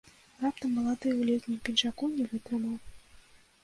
Раптам малады ў летнім пінжаку не вытрымаў.